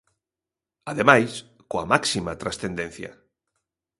Ademais, coa máxima transcendencia.